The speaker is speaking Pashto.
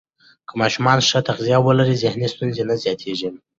که ماشومان ښه تغذیه ولري، ذهني ستونزې نه زیاتېږي.